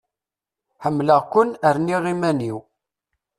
Ḥemleɣ-ken, rniɣ iman-iw!